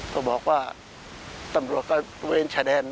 เขาบอกว่าตำรวจการพระเวียนชายแดน